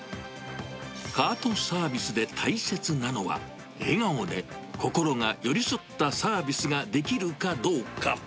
カートサービスで大切なのは、笑顔で心が寄り添ったサービスができるかどうか。